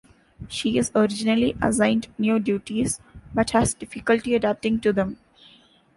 She is originally assigned new duties, but has difficulty adapting to them.